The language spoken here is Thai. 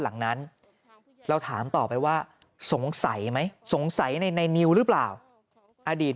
หลังนั้นเราถามต่อไปว่าสงสัยไหมสงสัยในนิวหรือเปล่าอดีต